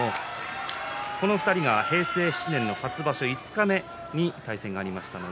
この２人が平成７年の初場所五日目に対戦がありました。